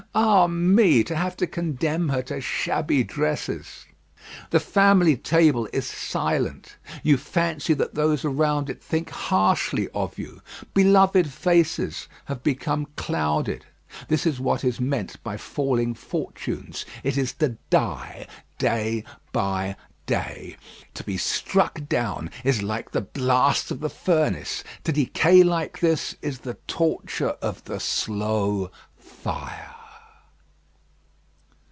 Ah me! to have to condemn her to shabby dresses. The family table is silent. You fancy that those around it think harshly of you. Beloved faces have become clouded. This is what is meant by falling fortunes. It is to die day by day. To be struck down is like the blast of the furnace; to decay like this is the torture of the slow fire.